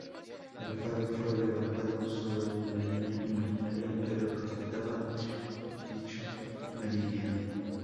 El faro fue levantado sobre de la línea imaginaria que representaba dicho meridiano.